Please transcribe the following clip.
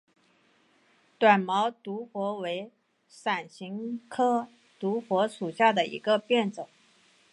短毛独活为伞形科独活属下的一个变种。